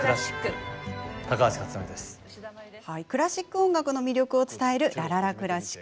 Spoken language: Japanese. クラシック音楽の魅力を伝える「らららクラシック」。